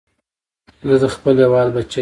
زه د خپل هېواد بچی یم